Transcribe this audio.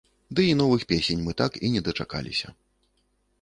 Ды і новых песень мы так і не дачакаліся.